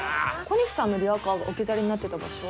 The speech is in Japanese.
小西さんのリアカーが置き去りになってた場所。